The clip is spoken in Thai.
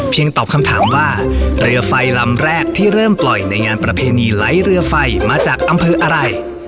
ตอบคำถามว่าเรือไฟลำแรกที่เริ่มปล่อยในงานประเพณีไหลเรือไฟมาจากอำเภออะไร